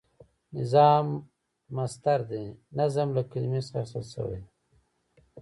نظام مصدر دی د نظم له کلمی څخه اخیستل شوی،